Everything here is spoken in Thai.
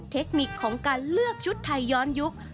เทคนิคของการเลือกชุดไทยย้อนยุค